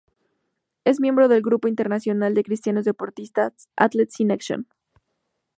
Es miembro del grupo internacional de cristianos deportistas "Athletes in Action".